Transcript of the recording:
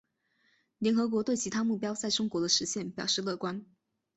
联合国对其他目标在中国的实现表示乐观。